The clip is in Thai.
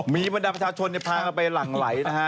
มีบรรดาประชาชนพากันไปหลั่งไหลนะฮะ